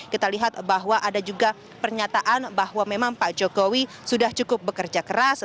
kita lihat bahwa ada juga pernyataan bahwa memang pak jokowi sudah cukup bekerja keras